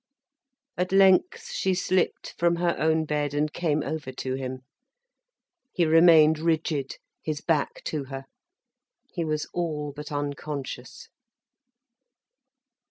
At length she slipped from her own bed and came over to him. He remained rigid, his back to her. He was all but unconscious.